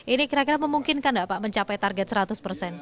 ini kira kira memungkinkan nggak pak mencapai target seratus persen